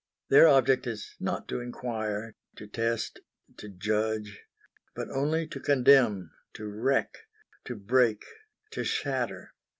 Their object is not to inquire, to test, to judge; but only to condemn, to wreck, to break, to shatter.